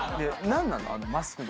何なの？